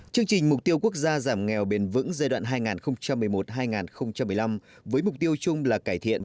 chương trình mục tiêu quốc gia giảm nghèo bền vững giai đoạn hai nghìn một mươi một hai nghìn một mươi năm với mục tiêu chung là cải thiện